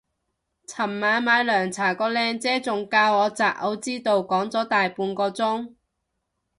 尋晚買涼茶個靚姐仲教我擇偶之道講咗大半個鐘